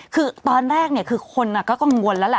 คือตอนแรกคือคนก็กังวลแล้วแหละ